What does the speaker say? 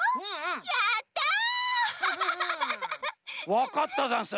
わかったざんす。